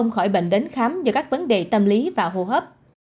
khỏi bệnh đến khám do các vấn đề tâm lý và hô hấp